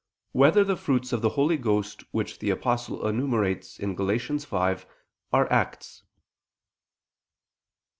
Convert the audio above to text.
1] Whether the Fruits of the Holy Ghost Which the Apostle Enumerates (Gal. 5) Are Acts?